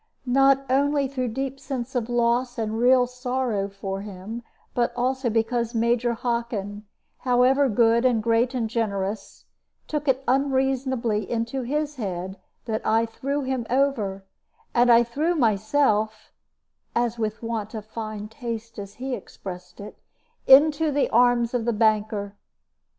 Not only through deep sense of loss and real sorrow for him, but also because Major Hockin, however good and great and generous, took it unreasonably into his head that I threw him over, and threw myself (as with want of fine taste he expressed it) into the arms of the banker.